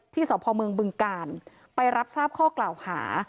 สพเมืองบึงกาลไปรับทราบข้อกล่าวหา